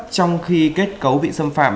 trong khi kết cấu bị xâm phạm